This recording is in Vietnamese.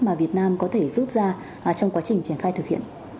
mà việt nam có thể rút ra trong quá trình triển khai thực hiện